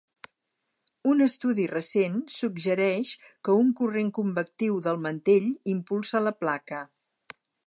Un estudi recent suggereix que un corrent convectiu del mantell impulsa la placa.